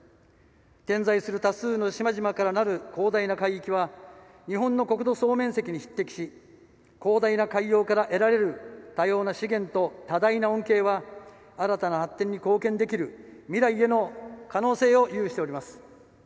点在する多数の島々からなる広大な海域は日本の国土総面積に匹敵し広大な海洋から得られる多様な資源と多大な恩恵は新たな発展に貢献できる未来への可能性を有しております。